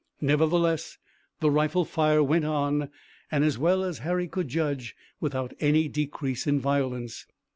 Nevertheless the rifle fire went on, and as well as Harry could judge, without any decrease in violence.